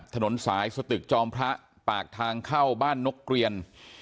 ถนนสายสตึกจอมพระปากทางเข้าบ้านนกเกลียน